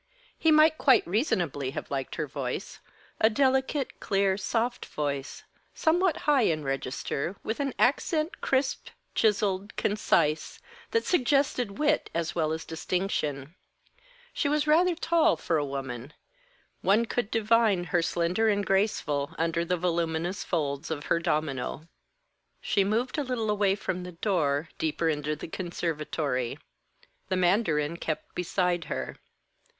He might quite reasonably have liked her voice, a delicate, clear, soft voice, somewhat high in register, with an accent, crisp, chiselled, concise, that suggested wit as well as distinction. She was rather tall, for a woman; one could divine her slender and graceful, under the voluminous folds of her domino. She moved a little away from the door, deeper into the conservatory. The mandarin kept beside her.